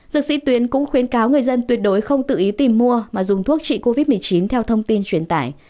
dược sĩ tuyến cũng khuyến cáo người dân tuyệt đối không tự ý tìm mua mà dùng thuốc trị covid một mươi chín theo thông tin truyền tải